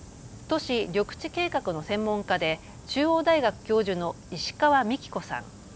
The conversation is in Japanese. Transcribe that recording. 都市緑地計画の専門家で中央大学教授の石川幹子さん。